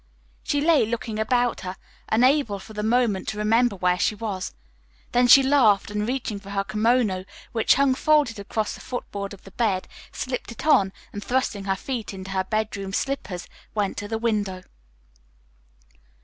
She lay looking about her, unable for the moment to remember where she was. Then she laughed and reaching for her kimono, which hung folded across the footboard of the bed, slipped it on, and, thrusting her feet into her bedroom slippers, went to the window.